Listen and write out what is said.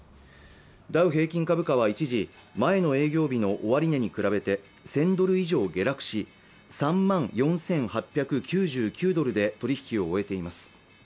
ダウ平均株価は一時前の営業日の終値に比べて１０００ドル以上下落し３万４８９９ドルで取引を終えています